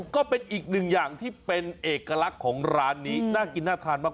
ก็เป็นอีกหนึ่งอย่างที่เป็นเอกลักษณ์ของร้านนี้น่ากินน่าทานมาก